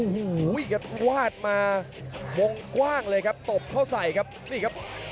นี่ครับโอ้โหวาดมามงกว้างเลยครับตบเข้าใส่ครับนี่ครับ